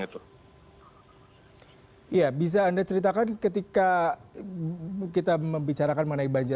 iya bisa anda ceritakan ketika kita membicarakan mengenai banjir